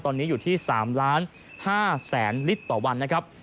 ตอนนี้อยู่ที่๓๕๐๐๐ลิตรต่อวันนะครับ